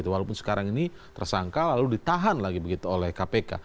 walaupun sekarang ini tersangka lalu ditahan lagi begitu oleh kpk